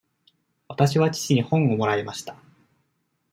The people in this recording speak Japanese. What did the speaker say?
わたしは父に本をもらいました。